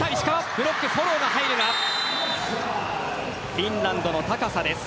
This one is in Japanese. フィンランドの高さです。